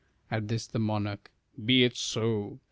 At this, the monarch "Be it so!